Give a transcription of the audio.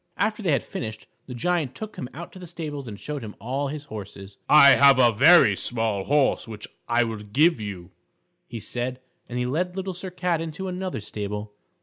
After they had finished, the Giant took him out to the stables and showed him all his horses. "I have a very small horse which I will give you," he said, and he led Little Sir Cat into another stable.